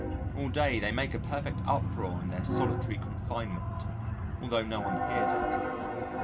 All day they make a perfect uproar in their solitary confinement although no one hears it.